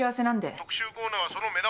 ☎特集コーナーはその目玉なんだ！